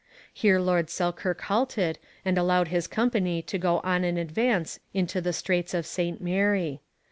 Here Lord Selkirk halted and allowed his company to go on in advance into the straits of St Mary.